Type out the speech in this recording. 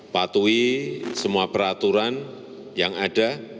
patuhi semua peraturan yang ada